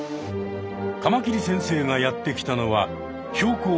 カマキリ先生がやって来たのは標高